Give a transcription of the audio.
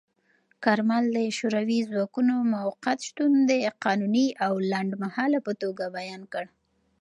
کارمل د شوروي ځواکونو موقت شتون د قانوني او لنډمهاله په توګه بیان کړ.